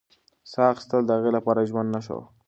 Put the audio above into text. ساه اخیستل د هغې لپاره د ژوند نښه وه.